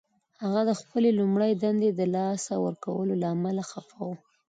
هغه د خپلې لومړۍ دندې د لاسه ورکولو له امله خفه و